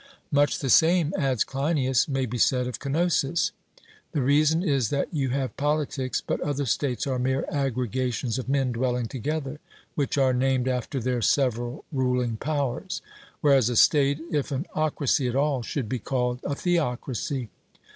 'Much the same,' adds Cleinias, 'may be said of Cnosus.' The reason is that you have polities, but other states are mere aggregations of men dwelling together, which are named after their several ruling powers; whereas a state, if an 'ocracy' at all, should be called a theocracy.